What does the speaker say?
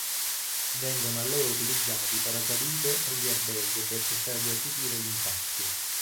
Vengono allora utilizzati i paracadute e gli airbag per cercare di attutire gli impatti.